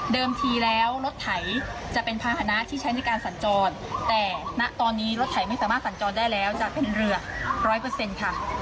ทีแล้วรถไถจะเป็นภาษณะที่ใช้ในการสัญจรแต่ณตอนนี้รถไถไม่สามารถสัญจรได้แล้วจะเป็นเรือร้อยเปอร์เซ็นต์ค่ะ